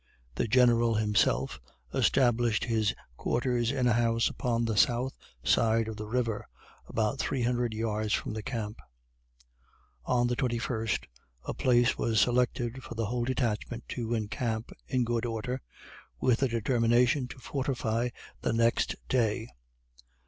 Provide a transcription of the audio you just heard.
The General himself, established his quarters in a house upon the south side of the river; about three hundred yards from the camp. On the 21st, a place was selected for the whole detachment to encamp, in good order, with a determination to fortify the next day.